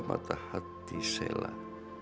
mata hati selah